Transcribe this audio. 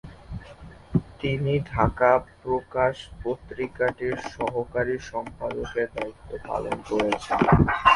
তিনি ঢাকা প্রকাশ পত্রিকাটির সহকারী সম্পাদকের দায়িত্ব পালন করেছেন।